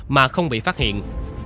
mà không bị phát hiện